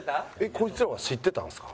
こいつらは知ってたんですか？